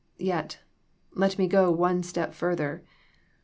Yet, let me go one step further.